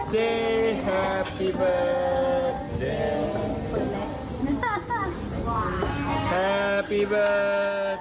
วันเกิดค่ะวันเกิดค่ะไม่ต้องโกรธค่ะ